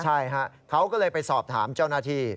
ใช่ฮะเขาก็เลยไปสอบถามเจ้าหน้าที่